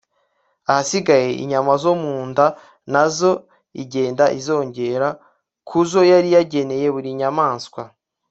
ahasigaye inyama zo mu nda na zo igenda izongera ku zo yari yageneye buri nyamaswa